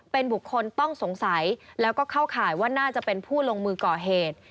เป็นบุคคลต้องสงสัยแล้วก็เข้าข่ายว่าน่าจะเป็นผู้ลงมือก่อเหตุ